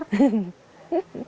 karena itu banyak